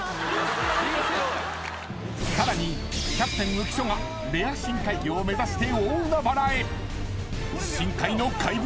［さらにキャプテン浮所がレア深海魚を目指して大海原へ］